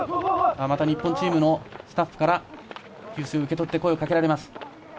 また日本チームのスタッフから給水を受け取って声をかけられます。